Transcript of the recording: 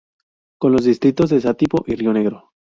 Con los distritos de Satipo y Río Negro.